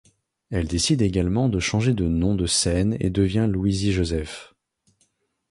Elle décide également de changer de nom de scène et devient Louisy Joseph.